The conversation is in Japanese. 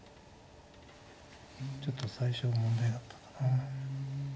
ちょっと最初に問題があったんだな。